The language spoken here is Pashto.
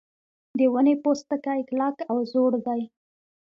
د ونې پوستکی کلک او زوړ دی.